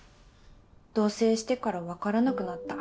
同棲してから分からなくなった。